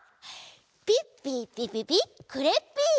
ピッピーピピピクレッピー！